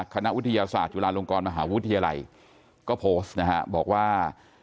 คณะวิทยาศาสตร์จุฬาลงกรมหาวิทยาลัยก็โพสต์นะฮะบอกว่า